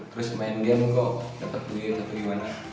terus main game kok dapat win atau gimana